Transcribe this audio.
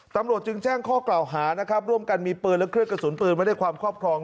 ตำรวจจึงแจ้งข้อกล่าวหานะครับร่วมกันมีปืนและเครื่องกระสุนปืนไว้ในความครอบครอง